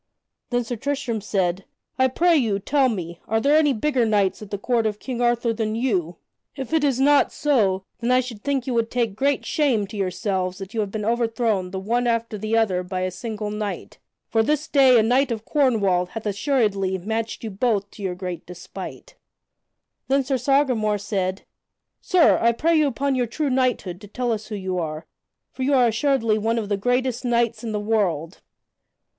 Then Sir Tristram said: "I pray you, tell me, are there any bigger knights at the court of King Arthur than you? If it is not so, then I should think you would take great shame to yourselves that you have been overthrown the one after the other by a single knight. For this day a knight of Cornwall hath assuredly matched you both to your great despite." [Sidenote: Sir Tristram acknowledges his degree] Then Sir Sagramore said: "Sir, I pray you upon your true knighthood to tell us who you are, for you are assuredly one of the greatest knights in the world."